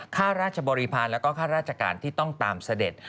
ข้าราชบริพาณแล้วก็ค่าราชการที่ต้องตามเสด็จ